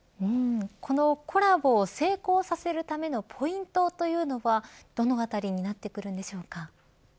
このコラボを成功させるためのポイントというのはどのあたりになってくるんでしょうか。